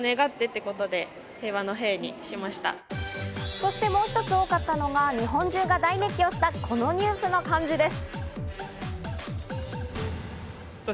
そしてもう一つ多かったのが、日本中が大熱狂したこのニュースの漢字です。